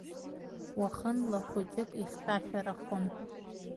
Уахынла хәыҷык ихьшәашәарахон.